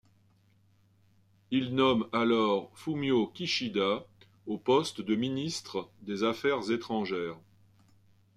Il nomme alors Fumio Kishida au poste de ministre des Affaires étrangères.